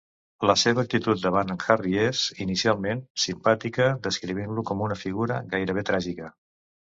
La seva actitud davant en Harry és, inicialment, simpàtica, descrivint-lo com una figura gairebé tràgica.